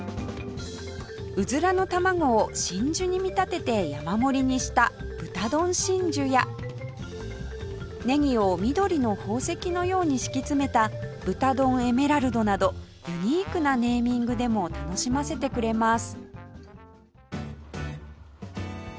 ウズラの卵を真珠に見立てて山盛りにした豚丼真珠やネギを緑の宝石のように敷き詰めた豚丼エメラルドなどユニークなネーミングでも楽しませてくれます